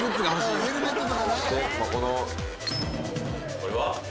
これは？